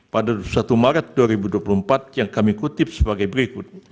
pada satu maret dua ribu dua puluh empat yang kami kutip sebagai berikut